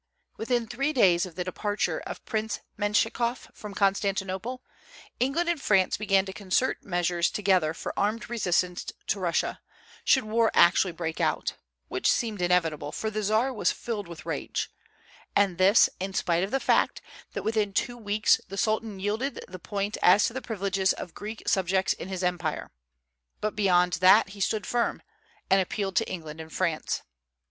Within three days of the departure of Prince Mentchikof from Constantinople, England and France began to concert measures together for armed resistance to Russia, should war actually break out, which seemed inevitable, for the Czar was filled with rage; and this in spite of the fact that within two weeks the Sultan yielded the point as to the privileges of Greek subjects in his empire, but beyond that he stood firm, and appealed to England and France.